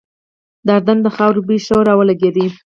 د اردن د خاورې بوی ښه را ولګېده.